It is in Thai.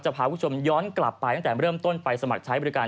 พาคุณผู้ชมย้อนกลับไปตั้งแต่เริ่มต้นไปสมัครใช้บริการ